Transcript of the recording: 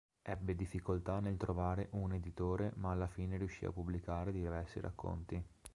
Ebbe difficoltà nel trovare un editore ma alla fine riuscì a pubblicare diversi racconti.